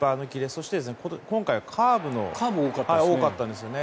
そして今回はカーブも多かったんですよね。